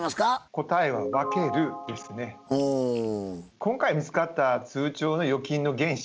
答えは今回見つかった通帳の預金の原資